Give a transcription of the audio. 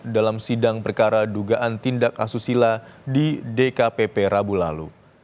dalam sidang perkara dugaan tindak asusila di dkpp rabu lalu